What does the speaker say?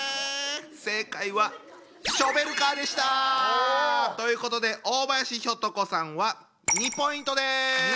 正解はショベルカーでした！ということで大林ひょと子さんは２ポイントです！